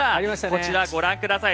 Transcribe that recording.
こちらご覧ください。